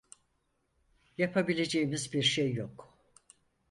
Yapabileceğimiz bir şey yok.